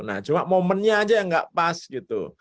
nah cuma momennya aja yang nggak pas gitu